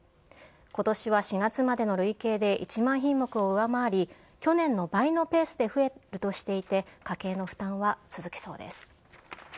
ことしは４月までの累計で１万品目を上回り、去年の倍のペースで増えるとしていて、家計の負担は続きそうです。